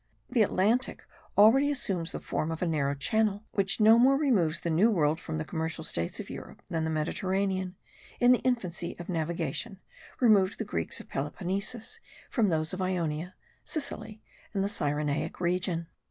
The Atlantic already assumes the form of a narrow channel which no more removes the New World from the commercial states of Europe, than the Mediterranean, in the infancy of navigation, removed the Greeks of Peloponnesus from those of Ionia, Sicily, and the Cyrenaic region.